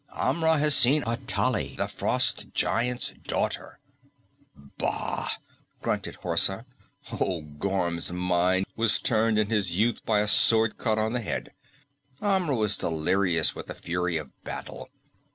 Amra has seen Atali, the frost giant's daughter!" "Bah!" grunted Horsa. "Old Gorm's mind was turned in his youth by a sword cut on the head. Amra was delirious with the fury of battle.